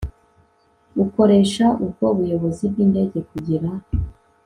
ukoresha ubwo buyobozi bw indege kugira